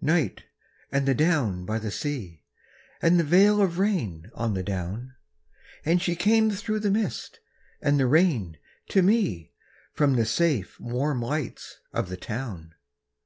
NIGHT, and the down by the sea, And the veil of rain on the down; And she came through the mist and the rain to me From the safe warm lights of the town.